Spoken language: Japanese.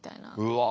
うわ。